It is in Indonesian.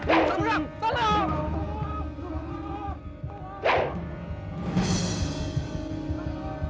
ya sudah diberesin di sana